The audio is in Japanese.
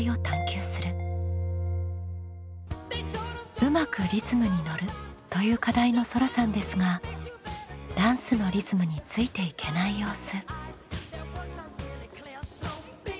「うまくリズムにのる」という課題のそらさんですがダンスのリズムについていけない様子。